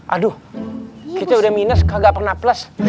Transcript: aduh kita udah minus gak pernah plus